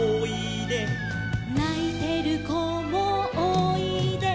「ないてる子もおいで」